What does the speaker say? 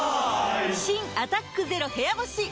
新「アタックＺＥＲＯ部屋干し」解禁‼